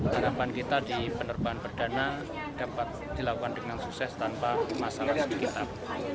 harapan kita di penerbangan perdana dapat dilakukan dengan sukses tanpa masalah sekitar